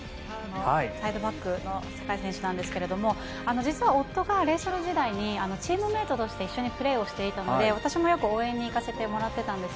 サイドバックの酒井選手なんですけど実は夫がレイソル時代にチームメートとしてプレーしていたので私も応援に行かせてもらっていました。